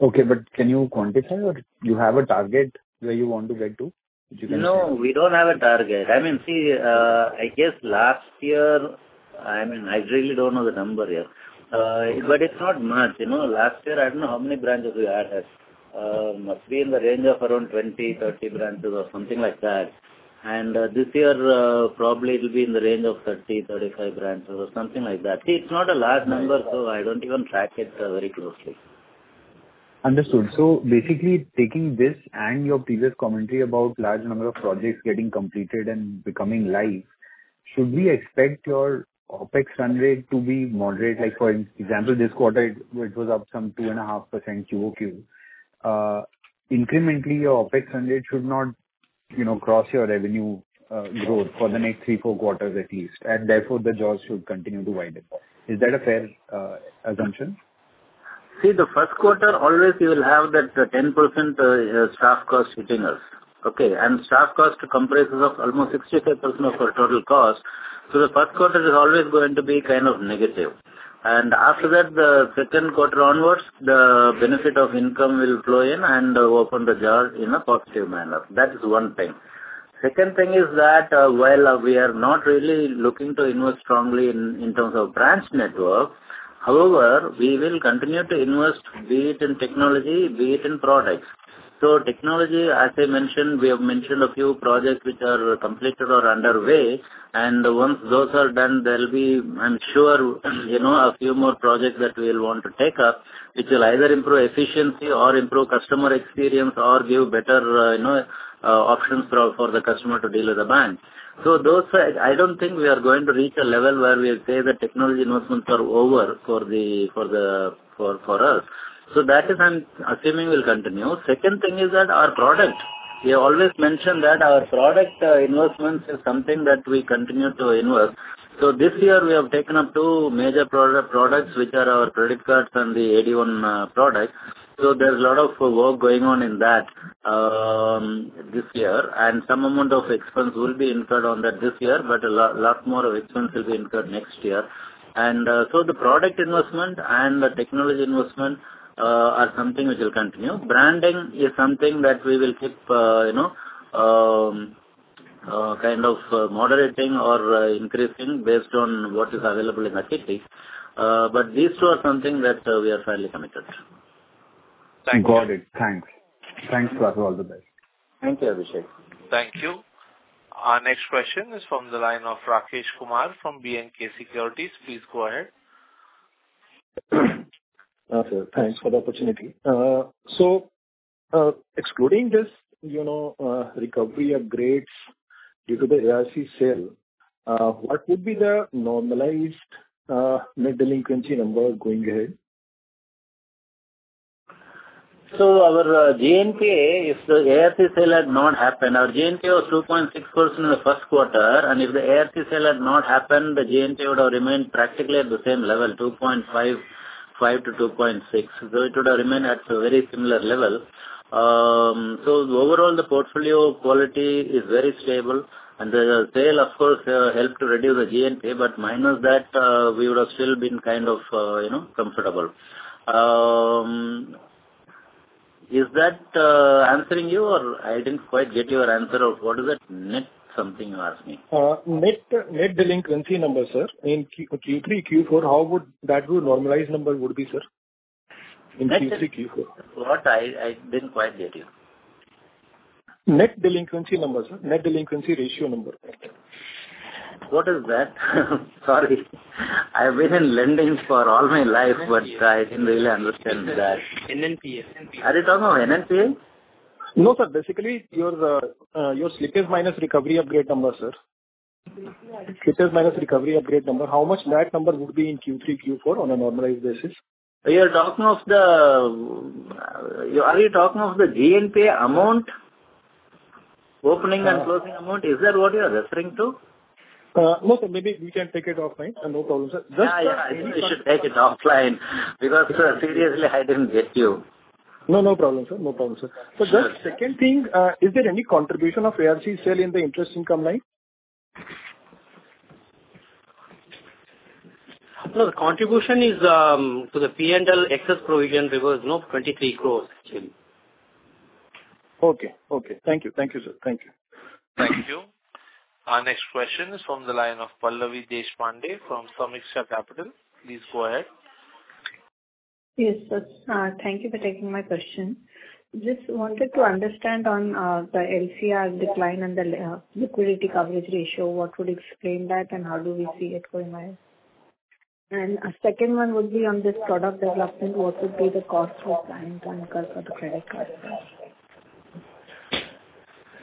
Okay. But can you quantify, or do you have a target where you want to get to that you can say? No. We don't have a target. I mean, see, I guess last year I mean, I really don't know the number here, but it's not much. Last year, I don't know how many branches we added. It must be in the range of around 20-30 branches or something like that. And this year, probably, it'll be in the range of 30-35 branches or something like that. See, it's not a large number, so I don't even track it very closely. Understood. So basically, taking this and your previous commentary about large number of projects getting completed and becoming live, should we expect your OpEx run rate to be moderate? For example, this quarter, it was up some 2.5% QOQ. Incrementally, your OpEx run rate should not cross your revenue growth for the next three, four quarters at least. And therefore, the jobs should continue to widen more. Is that a fair assumption? See, the first quarter, always, you will have that 10% staff cost hitting us. Okay? Staff cost comprises almost 65% of our total cost. The first quarter is always going to be kind of negative. After that, the second quarter onwards, the benefit of income will flow in and open the jar in a positive manner. That is one thing. Second thing is that while we are not really looking to invest strongly in terms of branch network, however, we will continue to invest, be it in technology, be it in products. Technology, as I mentioned, we have mentioned a few projects which are completed or underway. And once those are done, there'll be, I'm sure, a few more projects that we'll want to take up which will either improve efficiency or improve customer experience or give better options for the customer to deal with the bank. So I don't think we are going to reach a level where we say that technology investments are over for us. So that is, I'm assuming, will continue. Second thing is that our product. We always mention that our product investments is something that we continue to invest. So this year, we have taken up two major products which are our credit cards and the AD-l product. So there's a lot of work going on in that this year. And some amount of expense will be incurred on that this year, but a lot more of expense will be incurred next year. The product investment and the technology investment are something which will continue. Branding is something that we will keep kind of moderating or increasing based on what is available in the city. But these two are something that we are fairly committed. Thank you. Got it. Thanks. Thanks, Vasu. All the best. Thank you, Abhishek. Thank you. Our next question is from the line of Rakesh Kumar from B&K Securities. Please go ahead. Okay. Thanks for the opportunity. Excluding this recovery upgrades due to the ARC sale, what would be the normalized net delinquency number going ahead? So our GNPA, if the ARC sale had not happened. Our GNPA was 2.6% in the first quarter. And if the ARC sale had not happened, the GNPA would have remained practically at the same level, 2.5%-2.6%. So it would have remained at a very similar level. So overall, the portfolio quality is very stable. And the sale, of course, helped to reduce the GNPA. But minus that, we would have still been kind of comfortable. Is that answering you, or I didn't quite get your answer of what is that net something you asked me? Net delinquency number, sir, in Q3, Q4, how would that normalized number would be, sir, in Q3, Q4? What? I didn't quite get you. Net delinquency number, sir. Net delinquency ratio number. What is that? Sorry. I've been in lending for all my life, but I didn't really understand that. NNPA. Are you talking of NNPA? No, sir. Basically, your slippage minus recovery upgrade number, sir. Slippage minus recovery upgrade number, how much that number would be in Q3, Q4 on a normalized basis? Are you talking of the GNPA amount, opening and closing amount? Is that what you are referring to? No, sir. Maybe we can take it offline. No problem, sir. Just. Yeah. Yeah. I think we should take it offline because, seriously, I didn't get you. No. No problem, sir. No problem, sir. So just second thing, is there any contribution of ARC sale in the interest income line? No. The contribution is to the P&L excess provision reverse, 23 crore, actually. Okay. Okay. Thank you. Thank you, sir. Thank you. Thank you. Our next question is from the line of Pallavi Deshpande from Sameeksha Capital. Please go ahead. Yes, sir. Thank you for taking my question. Just wanted to understand on the LCR decline and the liquidity coverage ratio, what would explain that, and how do we see it going ahead? And a second one would be on this product development. What would be the cost we plan to incur for the credit cards?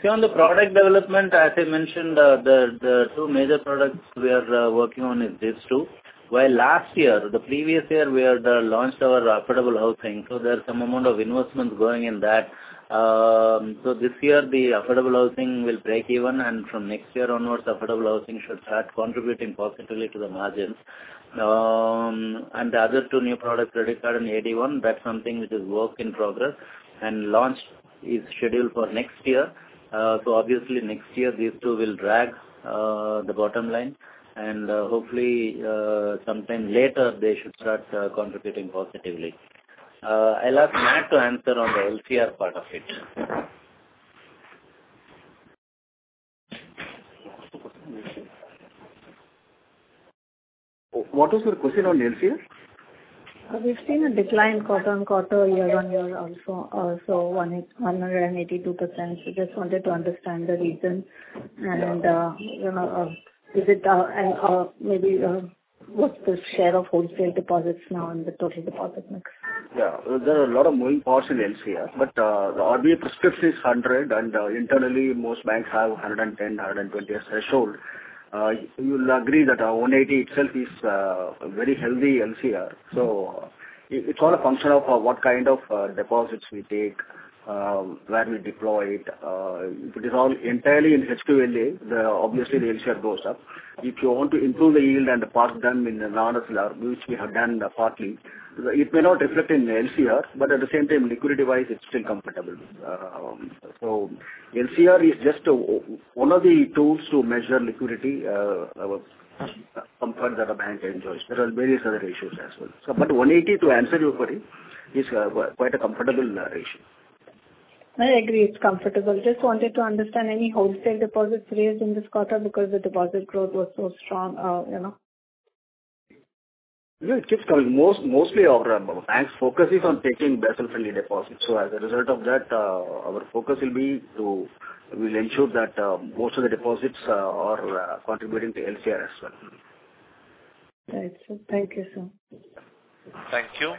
See, on the product development, as I mentioned, the two major products we are working on is these two. While last year, the previous year, we had launched our affordable housing. So there's some amount of investments going in that. So this year, the affordable housing will break even. And from next year onwards, affordable housing should start contributing positively to the margins. And the other two new products, credit card and AD-l, that's something which is work in progress. And launch is scheduled for next year. So obviously, next year, these two will drag the bottom line. And hopefully, sometime later, they should start contributing positively. I'll ask Matt to answer on the LCR part of it. What was your question on LCR? We've seen a decline quarter-over-quarter, year-over-year, also 182%. So just wanted to understand the reason. And is it maybe what's the share of wholesale deposits now in the total deposit mix? Yeah. There are a lot of moving parts in LCR. But the RBI prescription is 100, and internally, most banks have 110, 120 as threshold. You'll agree that 180 itself is a very healthy LCR. So it's all a function of what kind of deposits we take, where we deploy it. If it is all entirely in HQLA, obviously, the LCR goes up. If you want to improve the yield and park them in the non-callable, which we have done partly, it may not reflect in the LCR. But at the same time, liquidity-wise, it's still comfortable. So LCR is just one of the tools to measure liquidity comfort that a bank enjoys. There are various other issues as well. But 180, to answer your query, is quite a comfortable ratio. I agree. It's comfortable. Just wanted to understand any wholesale deposits raised in this quarter because the deposit growth was so strong. Yeah. It keeps coming. Mostly, our bank's focus is on taking retail-friendly deposits. So as a result of that, our focus will be to ensure that most of the deposits are contributing to LCR as well. Right. Thank you, sir. Thank you.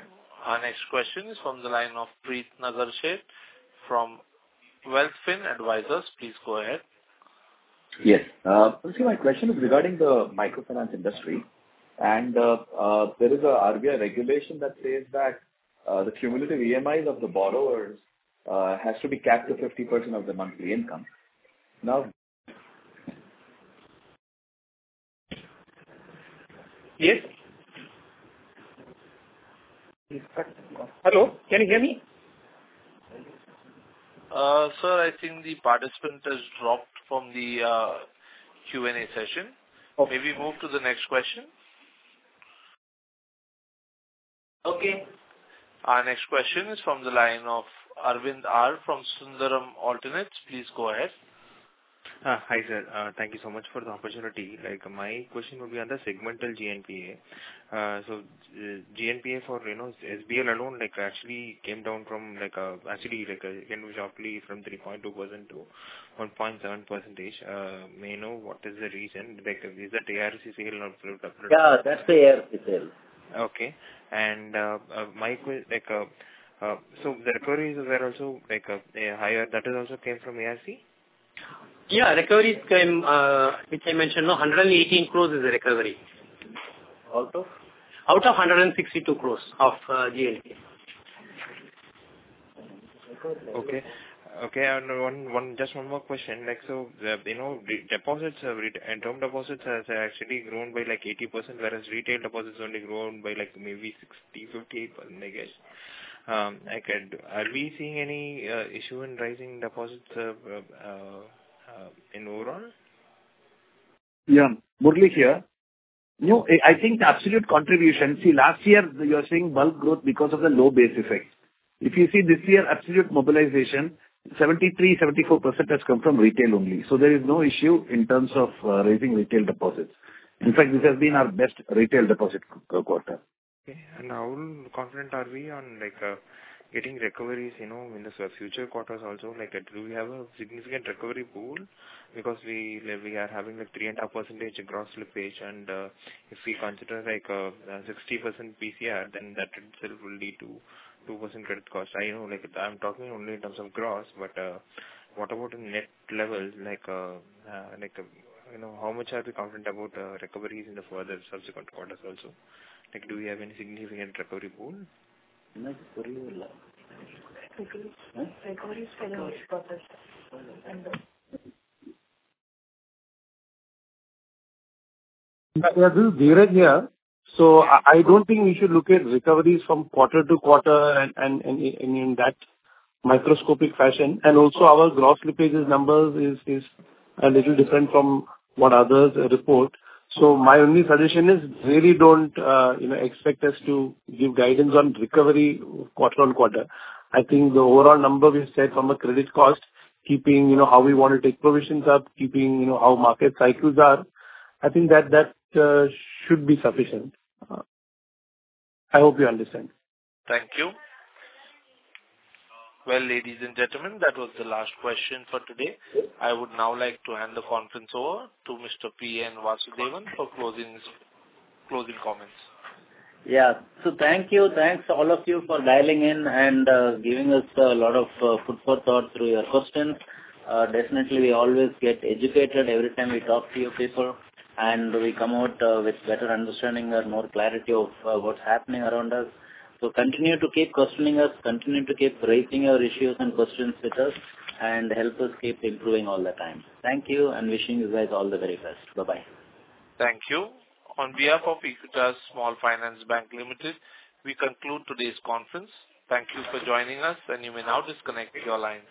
Our next question is from the line of Preet Nagersheth from WealthFin Advisors. Please go ahead. Yes. See, my question is regarding the microfinance industry. There is an RBI regulation that says that the cumulative EMIs of the borrowers have to be capped to 50% of the monthly income. Now. Yes? Hello? Can you hear me? Sir, I think the participant has dropped from the Q&A session. Maybe move to the next question. Okay. Our next question is from the line of Arvind R from Sundaram Alternates. Please go ahead. Hi, sir. Thank you so much for the opportunity. My question would be on the segmental GNPA. So GNPA for SBL alone actually came down from actually, it came sharply from 3.2%-1.7%. May I know what is the reason? Is that ARC sale not approved? Yeah. That's the ARC sale. Okay. And so the recoveries there are also higher. That also came from ARC? Yeah. Recoveries came, which I mentioned. No, 118 crore is the recovery. Out of? Out of 162 crore of GNPA. Okay. Okay. And just one more question. So in terms of deposits, they're actually grown by 80%, whereas retail deposits only grown by maybe 60%-50%, I guess. Are we seeing any issue in rising deposits in overall? Yeah. Murali here. No. I think the absolute contribution see, last year, you are seeing bulk growth because of the low base effect. If you see this year, absolute mobilization, 73%-74% has come from retail only. So there is no issue in terms of raising retail deposits. In fact, this has been our best retail deposit quarter. Okay. And how confident are we on getting recoveries in the future quarters also? Do we have a significant recovery pool because we are having 3.5% gross slippage? And if we consider 60% PCR, then that itself will lead to 2% credit cost. I know I'm talking only in terms of gross, but what about in net level? How much are we confident about recoveries in the further subsequent quarters also? Do we have any significant recovery pool? Recoveries can always process. Yeah. This is Dheeraj here. So I don't think we should look at recoveries from quarter to quarter in that microscopic fashion. And also, our gross slippages number is a little different from what others report. So my only suggestion is really don't expect us to give guidance on recovery quarter on quarter. I think the overall number we've set from a credit cost, keeping how we want to take provisions up, keeping how market cycles are, I think that should be sufficient. I hope you understand. Thank you. Well, ladies and gentlemen, that was the last question for today. I would now like to hand the conference over to Mr. P. N. Vasudevan for closing comments. Yeah. So thank you. Thanks to all of you for dialing in and giving us a lot of thoughtful through your questions. Definitely, we always get educated every time we talk to your people. And we come out with better understanding or more clarity of what's happening around us. So continue to keep questioning us. Continue to keep raising your issues and questions with us and help us keep improving all the time. Thank you and wishing you guys all the very best. Bye-bye. Thank you. On behalf of Equitas Small Finance Bank Limited, we conclude today's conference. Thank you for joining us. You may now disconnect your lines.